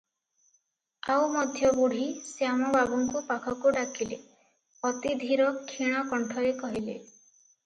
ଆଉ ମଧ୍ୟ ବୁଢ଼ୀ ଶ୍ୟାମ ବାବୁଙ୍କୁ ପାଖକୁ ଡାକିଲେ- ଅତି ଧୀର କ୍ଷୀଣ କଣ୍ଠରେ କହିଲେ-